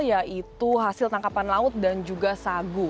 yaitu hasil tangkapan laut dan juga sagu